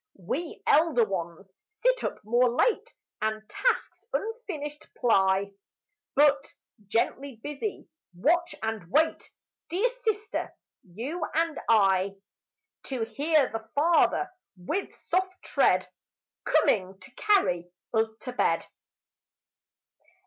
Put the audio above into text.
We, elder ones, sit up more late, And tasks unfinished ply, But, gently busy, watch and wait Dear sister, you and I, To hear the Father, with soft tread, Coming to carry us to bed.